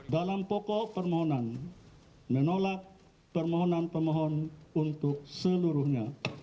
dalam pokok permohonan menolak permohonan pemohon untuk seluruhnya